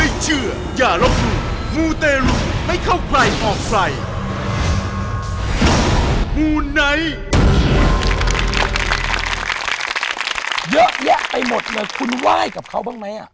เยอะแยะไปหมดเลยคุณไหว้กับเขาบ้างไหม